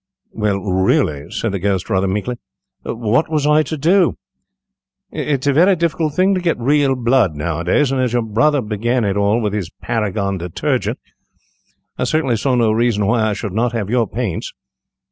"Well, really," said the Ghost, rather meekly, "what was I to do? It is a very difficult thing to get real blood nowadays, and, as your brother began it all with his Paragon Detergent, I certainly saw no reason why I should not have your paints.